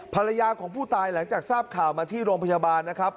ภรรยาของผู้ตายหลังจากทราบข่าวมาที่โรงพยาบาลนะครับ